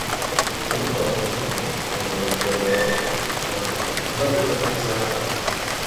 Umwuka nk’uwo ukomeza kuyobora abantu ku ngaruka nk’izabaye.